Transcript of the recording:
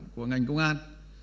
của ngành công an